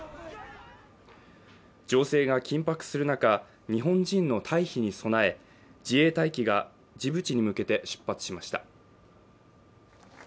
情勢が緊迫する中日本人の退避に備え自衛隊機がジブチに向けて出発しました